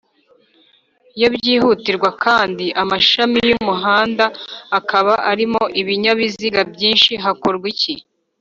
iyo byihutirwa kandi amashami y’umuhanda akaba arimo Ibinyabiziga byinshi hakorwa iki